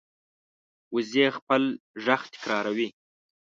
وزې خپل غږ تکراروي